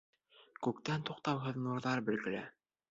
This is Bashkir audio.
Күктән туҡтауһыҙ нурҙар бөркөлә.